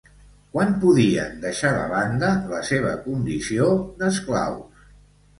Quan podien deixar de banda la seva condició d'esclaus?